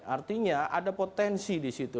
artinya ada potensi di situ